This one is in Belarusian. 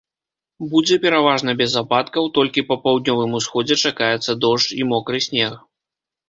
Будзе пераважна без ападкаў, толькі па паўднёвым усходзе чакаецца дождж і мокры снег.